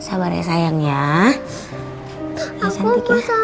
ada dengan suat